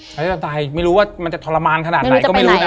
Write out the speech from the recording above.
ตอนตายไม่รู้ว่ามันจะทรมานขนาดไหน